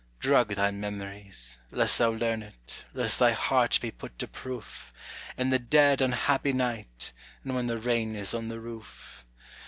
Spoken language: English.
Drug thy memories, lest thou learn it, lest thy heart be put to proof, In the dead, unhappy night, and when the rain is on the roof.